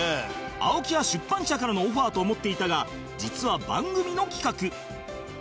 青木は出版社からのオファーと思っていたが実は番組の企画